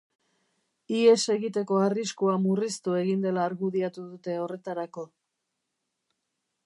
Ihes egiteko arriskua murriztu egin dela argudiatu dute horretarako.